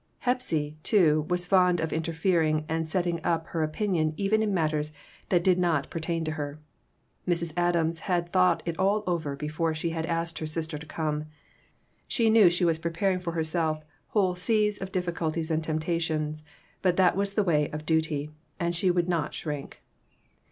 Hepsy, too, was fond of interfering and setting up her opinion even in matters that did not per tain to her. Mrs. Adams had thought it all over before she asked her sister to come. She knew she was preparing for herself whole seas of difficulties and temptations, but that was the way of duty, and she would not shrink.